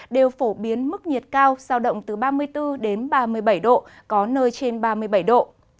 đều phổ biến mức nhiệt cao giao động từ ba mươi bốn đến ba mươi bảy độ có nơi trên ba mươi bảy độ